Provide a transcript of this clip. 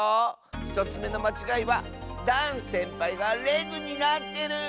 １つめのまちがいはダンせんぱいがレグになってる！